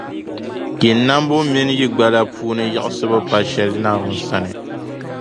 Yi nambu mini yi gbala puuni yiɣisibu pa shɛli Naawuni sani.